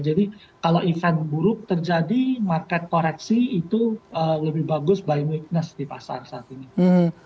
jadi kalau event buruk terjadi market koreksi itu lebih bagus by weakness di pasar saat ini